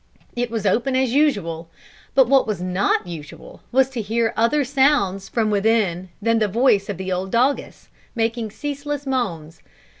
It was open, as usual. But what was not usual, was to hear other sounds from within than the voice of the old doggess, making ceaseless moans.